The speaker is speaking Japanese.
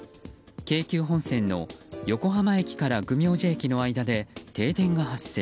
京急本線の横浜駅から弘明寺駅の間で停電が発生。